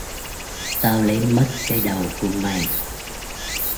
tao lấy mất cái đầu của mày